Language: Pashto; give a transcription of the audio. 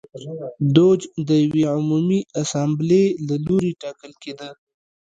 دوج د یوې عمومي اسامبلې له لوري ټاکل کېده.